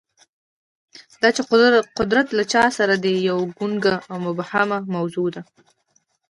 دا چې قدرت له چا سره دی، یوه ګونګه او مبهمه موضوع ده.